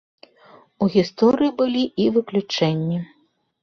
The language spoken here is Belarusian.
У гісторыі былі і выключэнні.